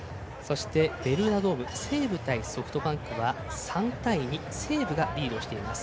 ベルーナドーム西武対ソフトバンクは３対２、西武がリードしています。